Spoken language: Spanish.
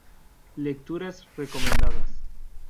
Lecturas recomendadas